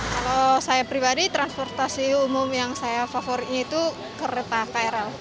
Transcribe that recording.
kalau saya pribadi transportasi umum yang saya favori itu kereta krl